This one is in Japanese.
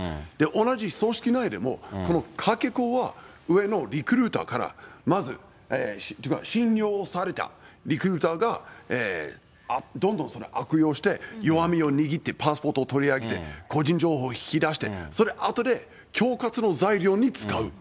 同じ組織内でもこのかけ子は、上のリクルーターからまず信用されたリクルーターがどんどんそれを悪用して、弱みを握ってパスポートを取り上げて、個人情報を引き出して、それをあとで恐喝の材料に使う。